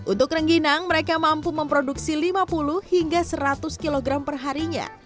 untuk rengginang mereka mampu memproduksi lima puluh hingga seratus kg perharinya